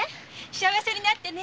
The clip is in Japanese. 幸せになってね。